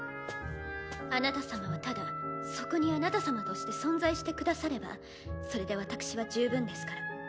あなた様はただそこにあなた様として存在してくださればそれで私は十分ですから。